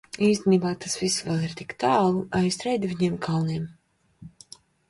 Īstenībā tas viss vēl ir tik tālu aiz trejdeviņiem kalniem.